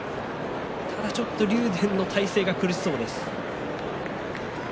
ただちょっと竜電の体勢が苦しそうです。